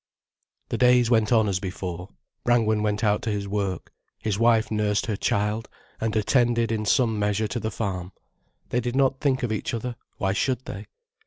The days went on as before, Brangwen went out to his work, his wife nursed her child and attended in some measure to the farm. They did not think of each other—why should they?